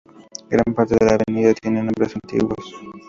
Gran parte de la avenida tiene nombres antiguos.